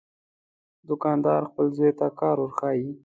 دوکاندار خپل زوی ته کار ورښيي.